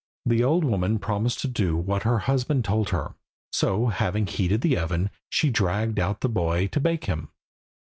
The old woman promised to do what her husband told her. So, having heated the oven, she dragged out the boy to bake him.